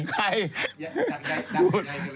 ใคร